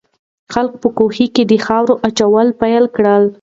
خلکو په کوهي کې د خاورو اچول پیل کړل.